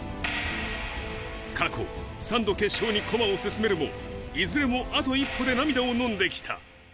過去、３度決勝に駒を進めるも、いずれもあと一歩で涙をのんできた。